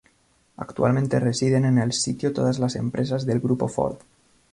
Actualmente residen en el sitio todas las empresas del grupo Ford.